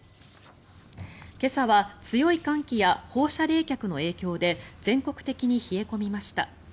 今朝は強い寒気や放射冷却の影響で全国的に冷え込みました。